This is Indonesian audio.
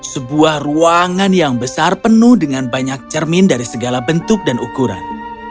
sebuah ruangan yang besar penuh dengan banyak cermin dari segala bentuk dan ukuran